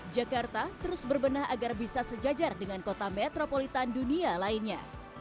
jakarta terus berbenah agar bisa sejajar dengan kota metropolitan dunia lainnya